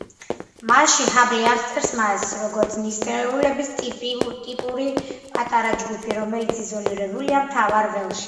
მასში ჰაბლი აღწერს მას, როგორც „ნისლეულების ტიპური პატარა ჯგუფი, რომელიც იზოლირებულია მთავარ ველში“.